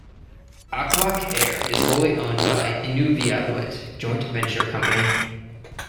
Aklak Air is wholly owned by Inuvialuit Joint Venture Company.